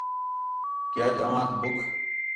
کہ اَج اوانک ٻُکھ